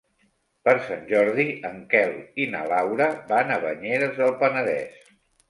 Per Sant Jordi en Quel i na Laura van a Banyeres del Penedès.